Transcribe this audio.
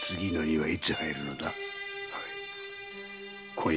はい。